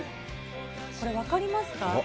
これ、分かりますか。